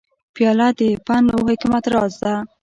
پیاله د پند و حکمت راز ده.